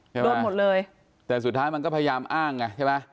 ใช่ปะโดนหมดเลยแต่สุดท้ายมันก็พยายามอ้างอ่ะใช่ปะ